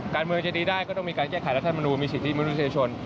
การเมืองจะดีได้ก็ต้องมีการแก้ไขรัฐมนูลมีสิทธิมนุษยชน